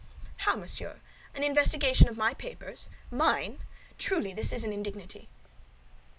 "How, monsieur, an investigation of my papers—mine! Truly, this is an indignity!"